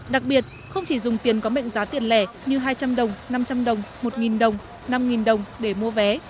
đặc biệt không chỉ dùng tiền có mệnh giá tiền lẻ như hai trăm linh đồng năm trăm linh đồng một đồng năm đồng để mua vé